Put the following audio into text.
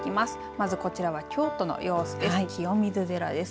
まずこちらは京都の様子です。